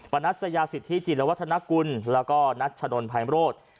นัสยาสิทธิจิลวัฒนกุลแล้วก็นัชนนภัยมโรธ